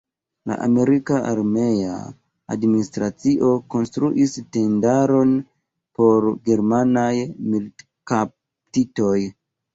La amerika armea administracio konstruis tendaron por germanaj militkaptitoj.